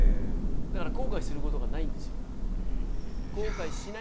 だから後悔することがないんですよ。